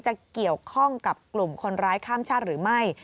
จะเกี่ยวข้องกับกลุ่มคนร้ายข้ามชาติหรือไม่